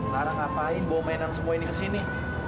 lara ngapain bawa mainan semua ini kesini